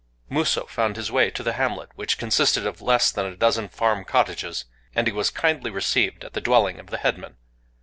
Musō found his way to the hamlet, which consisted of less than a dozen farm cottages; and he was kindly received at the dwelling of the headman.